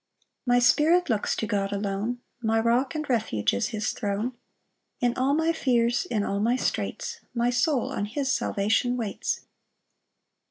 1 My spirit looks to God alone; My rock and refuge is his throne; In all my fears, in all my straits, My soul on his salvation waits.